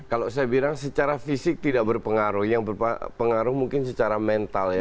kalau saya bilang secara fisik tidak berpengaruh yang berpengaruh mungkin secara mental ya